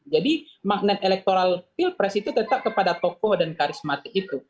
jadi magnet elektoral pilpres itu tetap kepada tokoh dan karismatik itu